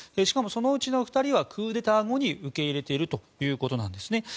しかもそのうちの２人はクーデター後に受け入れているということなんですね。